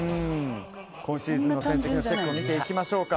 今シーズンの戦績のチェック見ていきましょうか。